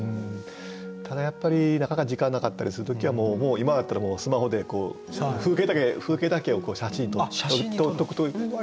ただやっぱりなかなか時間なかったりする時はもう今だったらスマホで風景だけを写真撮っとくと割とやりますね。